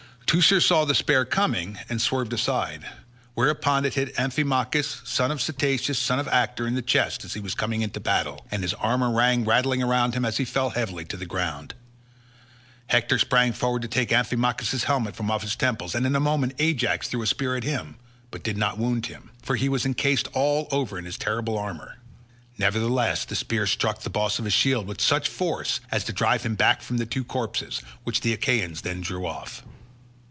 Teucer saw the spear coming and swerved aside, whereon it hit Amphimachus, son of Cteatus son of Actor, in the chest as he was coming into battle, and his armour rang rattling round him as he fell heavily to the ground. Hector sprang forward to take Amphimachus's helmet from off his temples, and in a moment Ajax threw a spear at him, but did not wound him, for he was encased all over in his terrible armour; nevertheless the spear struck the boss of his shield with such force as to drive him back from the two corpses, which the Achaeans then drew off.